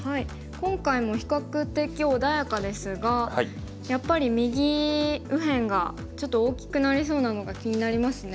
今回も比較的穏やかですがやっぱり右辺がちょっと大きくなりそうなのが気になりますね。